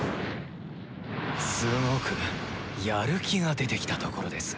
すごくやる気が出てきたところです！